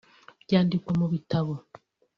byandikwa mu bitabo